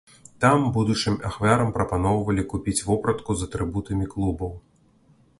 Там будучым ахвярам прапаноўвалі купіць вопратку з атрыбутамі клубаў.